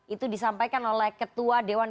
itu disampaikan oleh ketua dewan